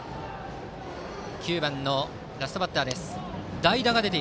９番のラストバッターです。